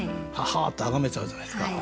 「ははっ！」ってあがめちゃうじゃないですか。